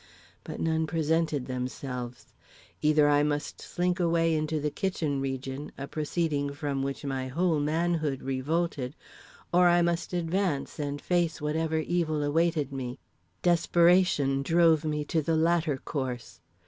But none presented themselves. Either I must slink away into the kitchen region a proceeding from which my whole manhood revolted, or I must advance and face whatever evil awaited me. Desperation drove me to the latter course.